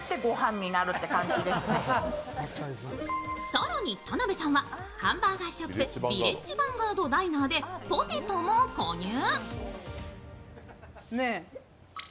更に田辺さんはハンバーガーショップヴィレッジヴァンガードダイナーでポテトも購入。